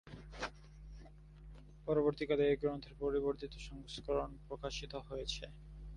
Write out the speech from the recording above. পরবর্তী কালে এই গ্রন্থের পরিবর্ধিত সংস্করণ প্রকাশিত হয়েছে।